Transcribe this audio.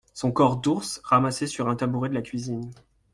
son corps d’ours ramassé sur un tabouret de la cuisine